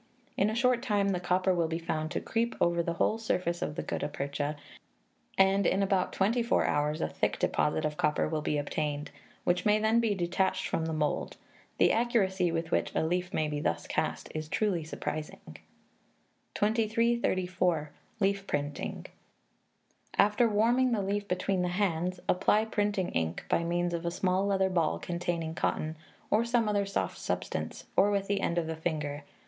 In a short time the copper will be found to creep over the whole surface of the gutta percha, and in about twenty four hours a thick deposit of copper will be obtained, which may then be detached from the mould. The accuracy with which a leaf may thus be cast is truly surprising. 2334. Leaf Printing. After warming the leaf between the hands apply printing ink, by means of a small leather ball containing cotton, or some soft substance, or with the end of the finger.